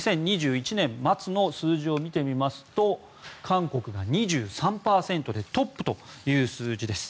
２０２１年末の数字を見てみますと韓国が２３％でトップという数字です。